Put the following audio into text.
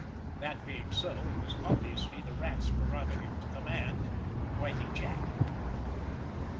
That being so, it was obviously the Rat's prerogative to command—Whitie Jack.